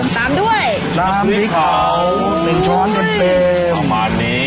ตามด้วยน้ำพริกเผา๑ช้อนดนตรีประมาณนี้